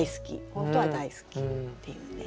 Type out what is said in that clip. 本当は大好きっていうね。